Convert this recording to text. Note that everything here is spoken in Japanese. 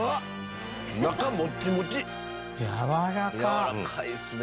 やわらかいですね。